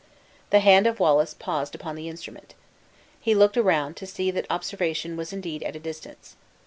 The hand of Wallace paused upon the instrument. He looked around to see that observation was indeed at a distance.